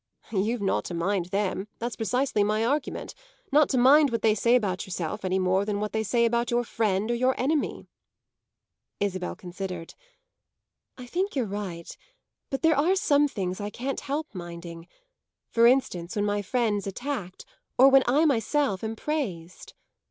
"You're not to mind them that's precisely my argument; not to mind what they say about yourself any more than what they say about your friend or your enemy." Isabel considered. "I think you're right; but there are some things I can't help minding: for instance when my friend's attacked or when I myself am praised."